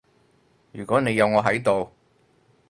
如果你有我喺度